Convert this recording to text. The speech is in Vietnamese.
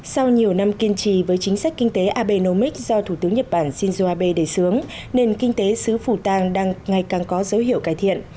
sau nhiều năm kiên trì với chính sách kinh tế abeomic do thủ tướng nhật bản shinzo abe đề sướng nền kinh tế xứ phủ tàng đang ngày càng có dấu hiệu cải thiện